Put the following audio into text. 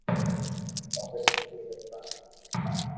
ڪونڪھ زندگي رو سار ھي آ